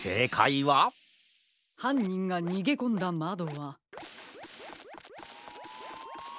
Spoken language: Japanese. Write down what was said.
はんにんがにげこんだまどは。